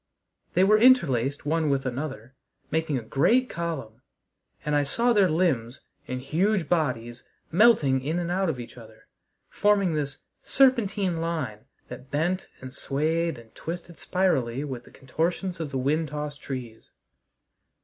They were interlaced one with another, making a great column, and I saw their limbs and huge bodies melting in and out of each other, forming this serpentine line that bent and swayed and twisted spirally with the contortions of the wind tossed trees.